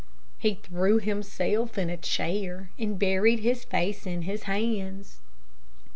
He threw himself in a chair and buried his face in his hands.